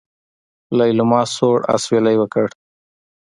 ليلما سوړ اسوېلی وکړ.